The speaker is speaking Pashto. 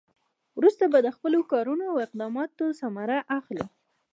وروسته به د خپلو کارونو او اقداماتو ثمره اخلي.